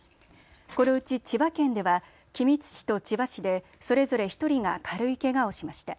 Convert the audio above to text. このうち千葉県では君津市と千葉市でそれぞれ１人が軽いけがをしました。